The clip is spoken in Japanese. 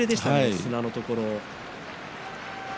砂のところ。